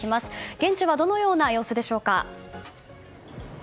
現地はどのような様子ですか。